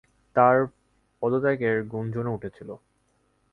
তাঁর পদত্যাগের গুঞ্জনও উঠেছিল।